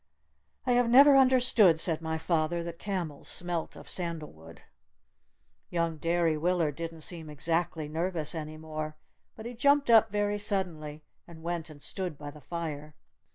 "I have never understood," said my father, "that camels smelt of sandalwood." Young Derry Willard didn't seem exactly nervous any more. But he jumped up very suddenly. And went and stood by the fire.